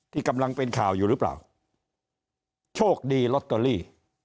ที่กำลังเป็นข่าวอยู่หรือเปล่าโชคดีลอตเตอรี่